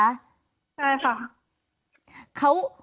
ใช่ค่ะ